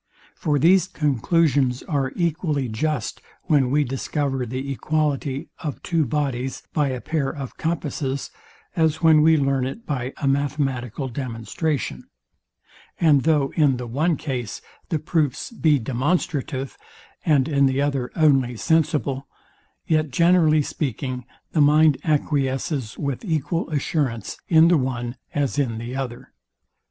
For these conclusions are equally just, when we discover the equality of two bodies by a pair of compasses, as when we learn it by a mathematical demonstration; and though in the one case the proofs be demonstrative, and in the other only sensible, yet generally speaking, the mind acquiesces with equal assurance in the one as in the other.